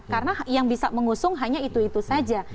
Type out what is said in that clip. karena yang bisa mengusung hanya itu itu saja